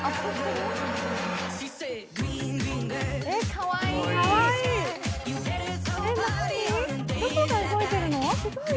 かわいい、どこが動いてるの？